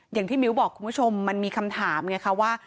อย่างที่มิ้วบอกคุณคุณผู้ชมมันมีคำถามไงคะว่า